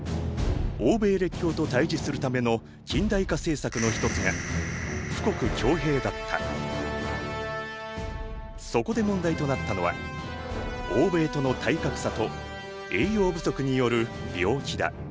欧米列強と対じするための近代化政策の一つがそこで問題となったのは欧米との体格差と栄養不足による病気だ。